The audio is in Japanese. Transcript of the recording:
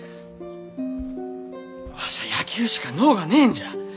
わしゃあ野球しか能がねえんじゃ。